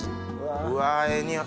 うわええ匂い。